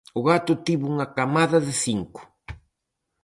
O gato tivo unha camada de cinco.